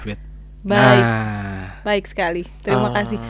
baik baik sekali terima kasih